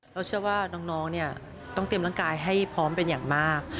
เราเชื่อว่าน้องเนี่ยต้องเตรียมร่างกายให้พร้อมเป็นอย่างมาก